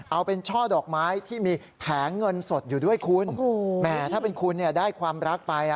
เอาเป็นช่อดอกไม้ที่มีแผงเงินสดอยู่ด้วยคุณแหมถ้าเป็นคุณเนี่ยได้ความรักไปอ่ะ